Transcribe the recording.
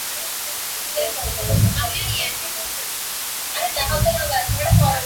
বুঝিয়াছিল এখন কিছুদিন তাহার এই মাথার যন্ত্রণা চলিবে।